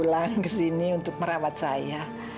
dia sudah datang ke sini untuk merawat saya